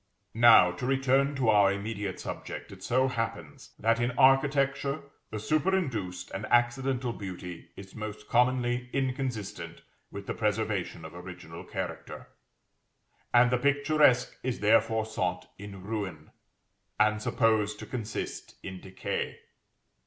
Now, to return to our immediate subject, it so happens that, in architecture, the superinduced and accidental beauty is most commonly inconsistent with the preservation of original character, and the picturesque is therefore sought in ruin, and supposed to consist in decay.